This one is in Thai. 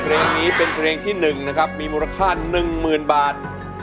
เพลงนี้เป็นเพลงที่หนึ่งนะครับมีมูลค่าหนึ่งหมื่นบาท